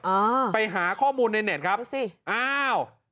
อ่าไปหาข้อมูลในเน็ตครับดูสิอ้าว